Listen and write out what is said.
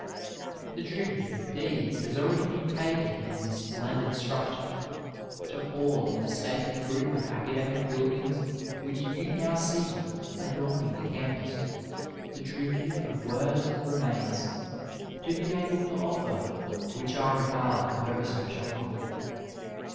The tribute of deeds has ahready been paid to him in this splendid structure, to all in the stately group of academic buildings which you now see adorning the campus — ^the tribute of words remains, to be able to ofier which I r^^ard a very special honour.